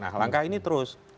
nah langkah ini terus